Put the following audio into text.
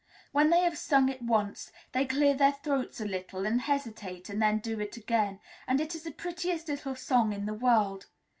When they have sung it once, they clear their throats a little, and hesitate, and then do it again, and it is the prettiest little song in the world.